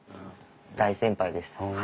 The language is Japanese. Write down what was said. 大先輩ですはい。